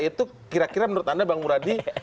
itu kira kira menurut anda bang muradi